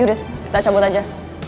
yudist kita cabut aja